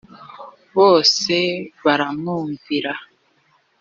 bose baramwumvira